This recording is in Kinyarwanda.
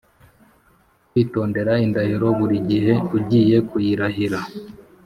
Kwitondera indahiro burigihe ugiye kuyirahira